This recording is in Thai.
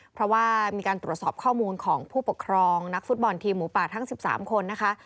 เพราะว่ามีการตรวจสอบข้อมูลของผู้ปกครองนักฟุตบอลทีมหมูป่าทั้ง๑๓คนนะคะ